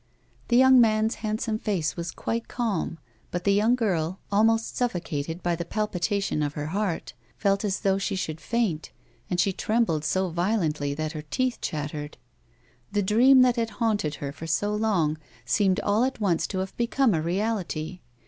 The young man's handsome face was quite calm, but the young girl, almost suffocated by the palpitation of her heart, felt as though she should faint, and she trembled so violently that her teeth chattered. The dream that had haunted her for so long seemed all at once to have become a reality.